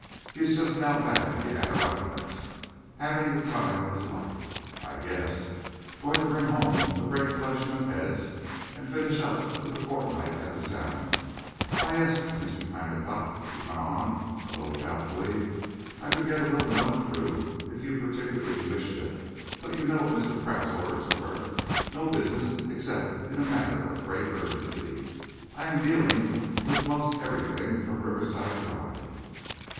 "He is just now back in the Adirondacks, having the time of his life, I guess. Going to bring home a great collection of heads and finish up with a fortnight at the salmon Why, yes, Mr. Kindacott," he went on, a little doubtfully, "I could get a little note through, if you particularly wished it, but you know what Mr. Pratt's orders were no business except in a matter of great urgency. I am dealing with most everything from Riverside Drive."